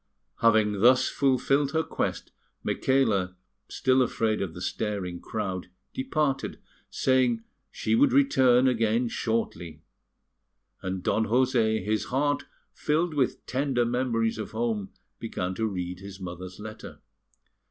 Having thus fulfilled her quest, Micaela, still afraid of the staring crowd, departed, saying she would return again shortly; and Don José, his heart filled with tender memories of home, began to read his mother's letter.